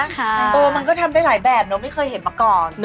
มันก็ทำได้หลายแบบเนอะไม่เคยเห็นมาก่อน